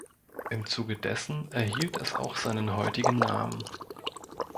Im Zuge dessen erhielt es auch seinen heutigen Namen.